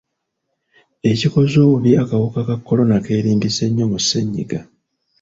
Ekikoze obubi akawuka ka Corona keerimbise nnyo mu ssenyiga.